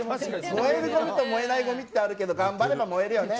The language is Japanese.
燃えるごみと燃えないごみってあるけど頑張れば燃えるよね。